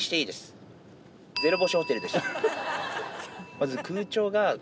まず。